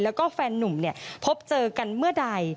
แล้วก็แฟนนุ่มพบเจอกันเมื่อใด